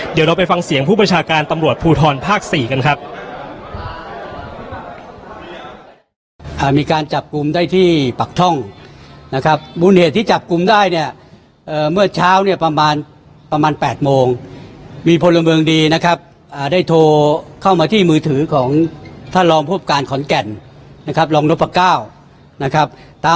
เดี๋ยวเราไปฟังเสียงผู้ประชาการตำรวจภูทรภาค๔กันครับ